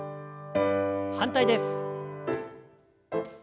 反対です。